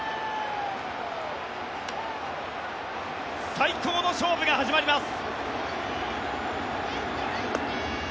最高の勝負が始まります。